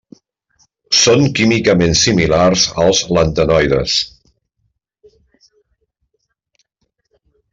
Són químicament similars als lantanoides.